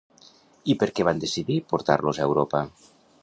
I per què van decidir portar-los a Europa?